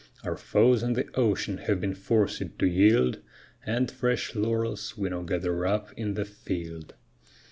Our foes on the ocean have been forced to yield, And fresh laurels we now gather up in the field.